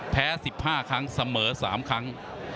แพ้๑๕ครั้งเสมอ๓ครั้ง